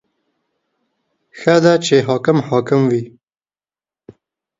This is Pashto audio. • ښه ده چې حاکم حاکم وي.